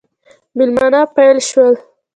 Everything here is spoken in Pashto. مېلمانه پیل شول.